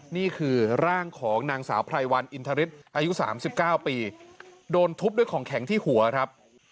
นี่คือร่างของนางสาวไพรวันอินทริสอายุ๓๙ปีโดนทุบด้วยของแข็งที่หัวครับ